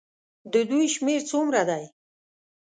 د دوی شمېر څومره دی.